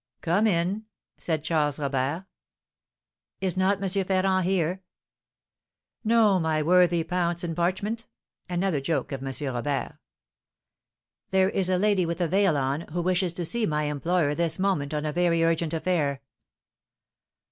"Come in," said Charles Robert. "Is not M. Ferrand here?" "No, my worthy pounce and parchment" (another joke of M. Robert). "There is a lady with a veil on, who wishes to see my employer this moment on a very urgent affair."